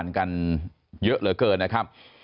สวัสดีครับ